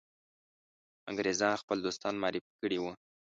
انګرېزان خپل دوستان معرفي کړي وه.